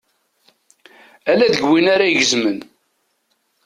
Ala deg win ara gezmen.